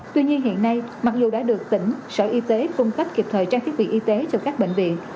tuy nhiên hiện nay mặc dù đã được tỉnh sở y tế cung cấp kịp thời trang thiết bị y tế cho các bệnh viện